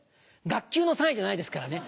学級の３位じゃないですからね